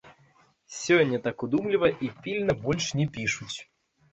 Сёння так удумліва і пільна больш не пішуць.